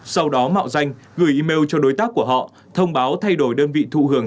sau đó mạo danh gửi email cho đối tác của họ thông báo thay đổi đơn vị thụ hưởng